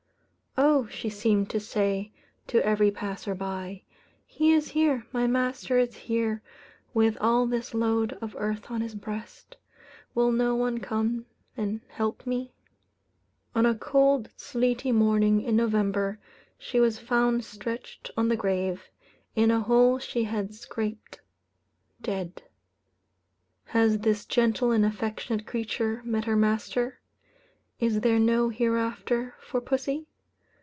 "Oh!" she seemed to say to every passerby, "he is here my master is here with all this load of earth on his breast. Will no one come and help me?" On a cold sleety morning in November she was found stretched on the grave in a hole she had scraped dead. Has this gentle and affectionate creature met her master? Is there no hereafter for pussy?